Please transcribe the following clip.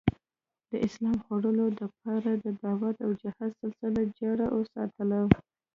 د اسلام خورلو دپاره د دعوت او جهاد سلسله جاري اوساتله